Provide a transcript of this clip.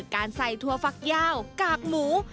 การใส่ถั่วฟักยาวกากหมู